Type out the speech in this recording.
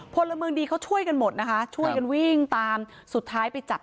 พลเมืองดีเขาช่วยกันหมดนะคะช่วยกันวิ่งตามสุดท้ายไปจับ